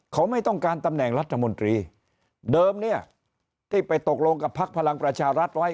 เขาไม่ต้องการตำแหน่งรัฐมนตรีเดิมเนี่ยที่ไปตกลงกับพักพลังประชารัฐไว้